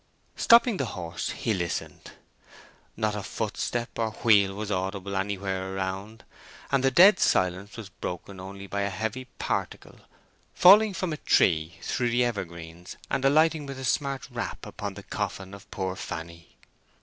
Stopping the horse, he listened. Not a footstep or wheel was audible anywhere around, and the dead silence was broken only by a heavy particle falling from a tree through the evergreens and alighting with a smart rap upon the coffin of poor Fanny.